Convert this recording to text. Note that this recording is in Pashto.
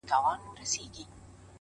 کوم زاهد په يوه لاس ورکړی ډهول دی;